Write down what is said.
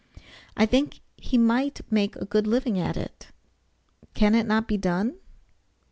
I think he might make a good living at it. Can it not be done?